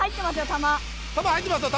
球球入ってますよ